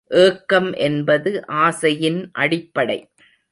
ஏக்கம் என்பது ஆசையின் அடிப்படை.